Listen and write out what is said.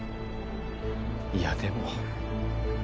いやでも